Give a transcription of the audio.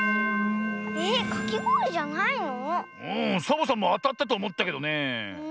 サボさんもあたったとおもったけどねえ。